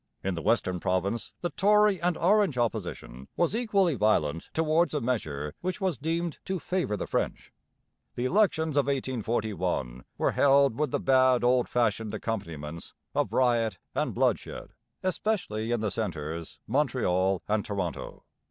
In the western province the Tory and Orange opposition was equally violent towards a measure which was deemed to favour the French. The elections of 1841 were held with the bad old fashioned accompaniments of riot and bloodshed, especially in the centres, Montreal and Toronto.